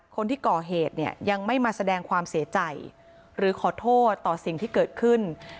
คนที่ก่อเหตุเนี่ยยังไม่มาแสดงความเสียใจหรือขอโทษต่อสิ่งที่เกิดขึ้น